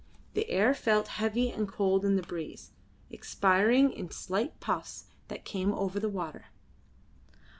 The air felt heavy and cold in the breeze, expiring in slight puffs that came over the water.